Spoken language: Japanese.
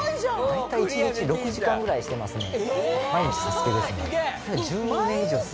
大体１日６時間ぐらいしてますね。